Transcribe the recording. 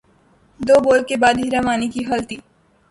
دو بول کے بعد حرا مانی کی غلطی